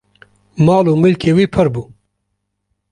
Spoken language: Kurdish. mal û milkê wî pir bû